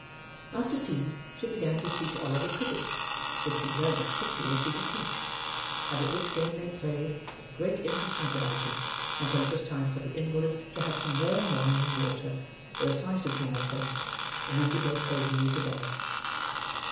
After tea she began to teach Oliver cribbage: which he learnt as quickly as she could teach: and at which game they played, with great interest and gravity, until it was time for the invalid to have some warm wine and water, with a slice of dry toast, and then to go cosily to bed.